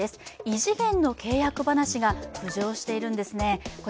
異次元の契約話が浮上しているんですね。